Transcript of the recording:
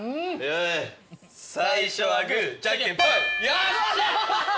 よっしゃ！